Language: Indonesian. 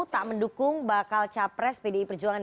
tak mendukung bakal capres pdi perjuangan